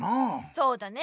そうだね！